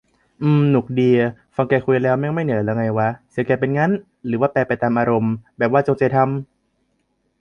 อืม หนุกดี ฟังแกคุยแล้ว แม่งไม่เหนื่อยเหรอไงวะ เสียงแกเป็นงั้น ? หรือว่าแปรไปตามอารมณ์ ? แบบว่าจงใจทำ ?